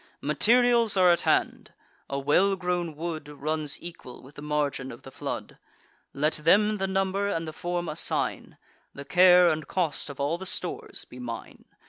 Materials are at hand; a well grown wood Runs equal with the margin of the flood: Let them the number and the form assign; The care and cost of all the stores be mine.